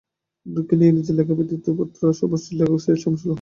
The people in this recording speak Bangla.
নূরকে নিয়ে নিজের লেখা প্রীতিপত্র পাঠ করেন সব্যসাচী লেখক সৈয়দ শামসুল হক।